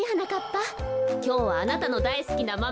きょうはあなたのだいすきなマメごはんよ。